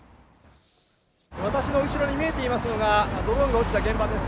私の後ろに見えていますのがドローンが落ちた現場です。